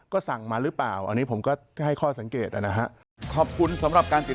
ก็สั่งมาหรือเปล่า